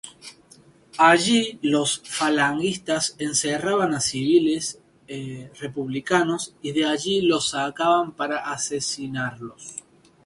Allí los falangistas encerraban a civiles republicanos y de allí los sacaban para asesinarlos.